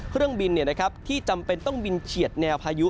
เครื่องบินที่จำเป็นต้องบินเฉียดแนวพายุ